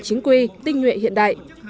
chính quy tinh nguyện hiện đại